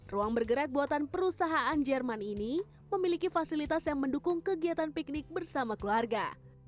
ruang bergerak buatan perusahaan jerman ini memiliki fasilitas yang mendukung kegiatan piknik bersama keluarga